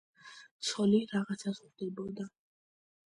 ცოლი რაღაცას ხვდებოდა